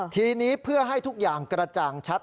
ทีนี้เพื่อให้ทุกอย่างกระจ่างชัด